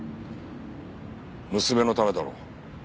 娘のためだろう。